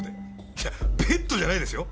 いやベッドじゃないですよ！